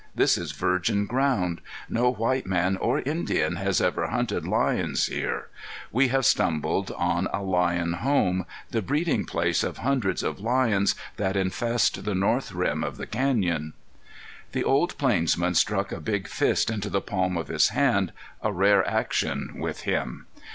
This is virgin ground. No white man or Indian has ever hunted lions here. We have stumbled on a lion home, the breeding place of hundreds of lions that infest the north rim of the canyon." The old plainsman struck a big fist into the palm of his hand, a rare action with him.